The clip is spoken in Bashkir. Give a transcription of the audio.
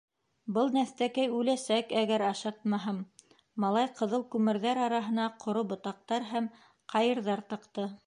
— Был нәҫтәкәй үләсәк, әгәр ашатмаһам, — малай ҡыҙыл күмерҙәр араһына ҡоро ботаҡтар һәм ҡайырҙар тыҡты.